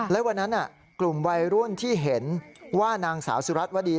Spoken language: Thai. และวันนั้นกลุ่มวัยรุ่นที่เห็นว่านางสาวสุรัตนวดี